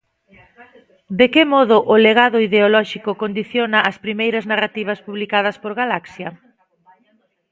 De que modo o legado ideolóxico condiciona as primeiras narrativas publicadas por Galaxia?